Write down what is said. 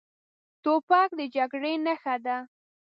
توپک د جګړې نښه ده.